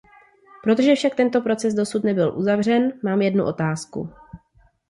Protože však tento proces dosud nebyl uzavřen, mám jednu otázku.